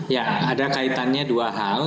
ya ada kaitannya dua hal